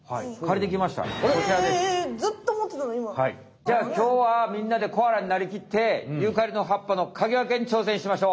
じゃあきょうはみんなでコアラになりきってユーカリのはっぱのかぎわけに挑戦しましょう！